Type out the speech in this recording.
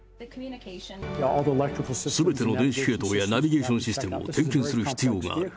すべての電子系統やナビゲーションシステムを点検する必要がある。